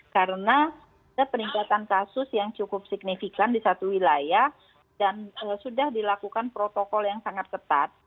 karena ada peningkatan kasus yang cukup signifikan di satu wilayah dan sudah dilakukan protokol yang sangat ketat